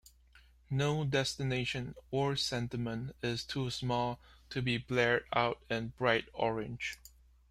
No destination or sentiment is too small to be blared out in bright orange.